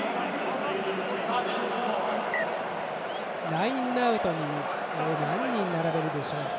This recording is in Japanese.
ラインアウトに何人並べるでしょうか。